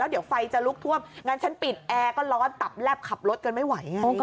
เดี๋ยวไฟจะลุกท่วมงั้นฉันปิดแอร์ก็ร้อนตับแลบขับรถกันไม่ไหวไง